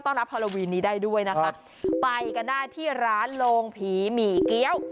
รับฮาโลวีนนี้ได้ด้วยนะคะไปกันได้ที่ร้านโรงผีหมี่เกี้ยว